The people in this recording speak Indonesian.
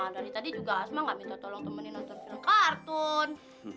dari tadi juga asma nggak minta tolong temenin nonton film kartun